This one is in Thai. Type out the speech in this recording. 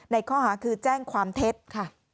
ในข้อหาคือแจ้งความเท็จค่ะ